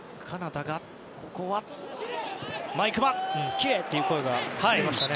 切れ！という声が出てましたね。